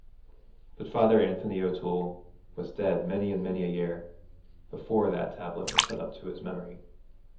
But Father Anthony O'Toole was dead many and many a year before that tablet was set up to his memory.